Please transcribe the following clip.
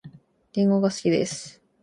りんごが好きです